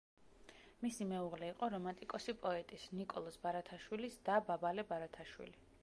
მისი მეუღლე იყო რომანტიკოსი პოეტის, ნიკოლოზ ბარათაშვილის და ბაბალე ბარათაშვილი.